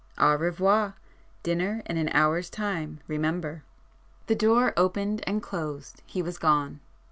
Au revoir! Dinner in an hour's time remember!" The door opened and closed—he was gone.